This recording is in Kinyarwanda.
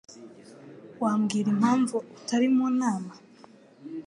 Wambwira impamvu utari mu nama?